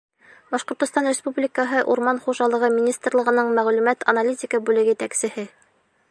Башҡортостан Республикаһы Урман хужалығы министрлығының мәғлүмәт-аналитика бүлеге етәксеһе: